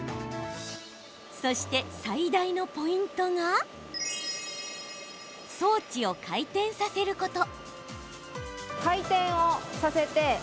そして、最大のポイントが装置を回転させること。